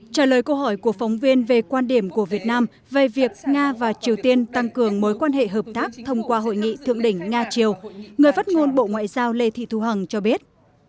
trả lời câu hỏi của phóng viên về quan điểm của việt nam về việc nga và triều tiên tăng cường mối quan hệ hợp tác thông qua hội nghị thượng đỉnh nga triều người phát ngôn bộ ngoại giao lê thị thu hằng cho biết